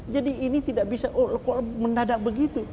jadi ini tidak bisa oh kok mendadak begitu